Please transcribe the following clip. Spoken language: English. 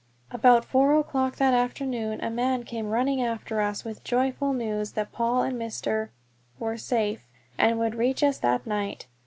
About four o'clock that afternoon a man came running after us with the joyful news that Paul and Mr. were safe, and would reach us that night.